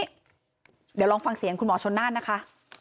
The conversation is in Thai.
เดี๋ยวลองฟังเสียงคุณหมอชนน่านนะคะ